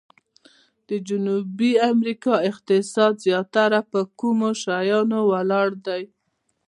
د جنوبي امریکا اقتصاد زیاتره په کومو شیانو ولاړ دی؟